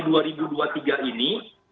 dua ribu dua puluh tiga ini